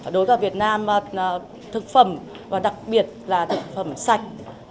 đối với cả việt nam thực phẩm và đặc biệt là thực phẩm sạch